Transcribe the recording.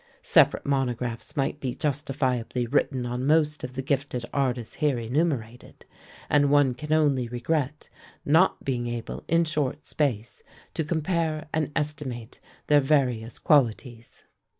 Separate monographs might be justifiably written on most of the gifted artists here enumerated, and one can only regret not being able in short space to compare and estimate their various qualities.